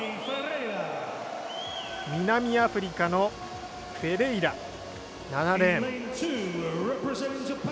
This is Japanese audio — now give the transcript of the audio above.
南アフリカのフェレイラ７レーン。